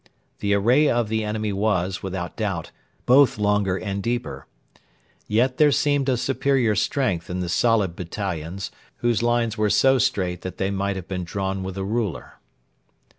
The array of the enemy was, without doubt, both longer and deeper. Yet there seemed a superior strength in the solid battalions, whose lines were so straight that they might have been drawn with a ruler.